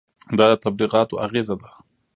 دا د تبلیغاتو اغېزه ده.